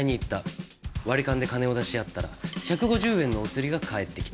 割り勘で金を出し合ったら１５０円のお釣りが返ってきた。